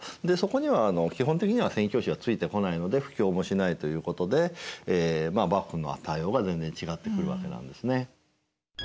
でそこには基本的には宣教師はついてこないので布教もしないということで幕府の対応が全然違ってくるわけなんですね。